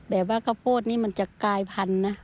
แบบว่าข้าวโพดนี่มันจะกลายพันธุ์นะ